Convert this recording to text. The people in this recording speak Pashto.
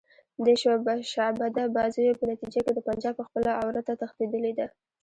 دې شعبده بازیو په نتیجه کې د پنجاب خپله عورته تښتېدلې ده.